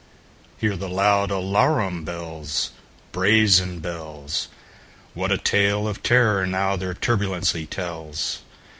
Hear the loud alarum bells, Brazen bells! What a tale of terror, now, their turbulency tells!